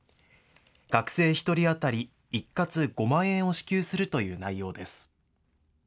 学生１人当たり一括５万円を支給するという内容です。